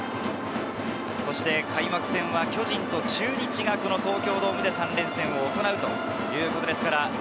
そして開幕戦は巨人と中日がこの東京ドームで３連戦を行うということです。